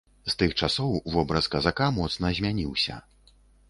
З тых часоў вобраз казака моцна змяніўся.